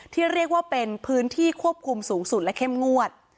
ที่เรียกว่าเป็นพื้นที่ควบคุมสูงสุดและเข้มงวด